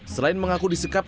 selain mengaku disekap